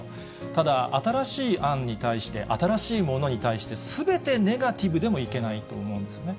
ただ、新しい案に対して、新しいものに対して、すべてネガティブでもいけないと思うんですね。